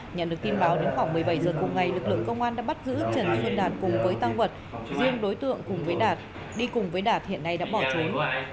nhận được tin báo đến khoảng một mươi bảy h cùng ngày lực lượng công an đã bắt giữ trần xuân đạt cùng với tăng vật riêng đối tượng cùng với đạt đi cùng với đạt hiện nay đã bỏ trốn